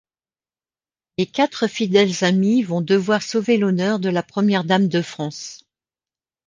Les quatre fidèles amis vont devoir sauver l'honneur de la première dame de France.